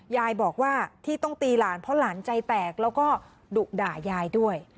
ยายบอกว่าที่ต้องตีหลานเพราะหลานใจแตกแล้วก็ดุด่ายายด้วย